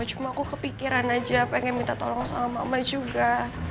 cuma aku kepikiran aja pengen minta tolong sama mbak juga